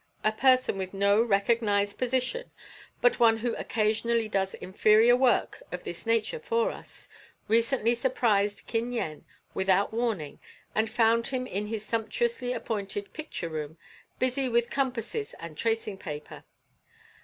A person with no recognized position, but one who occasionally does inferior work of this nature for us, recently surprised Kin Yen without warning, and found him in his sumptuously appointed picture room, busy with compasses and tracing paper.